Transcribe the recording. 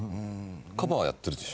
カバーやってるでしょ？